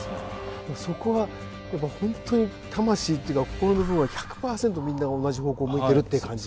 そこはやっぱ本当に魂っていうか心の部分は１００パーセントみんな同じ方向を向いてるっていう感じ？